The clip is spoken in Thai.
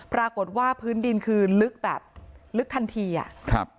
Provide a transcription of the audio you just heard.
ปรากฏว่าพื้นดินคือลึกแบบลึกทันทีอ่ะครับ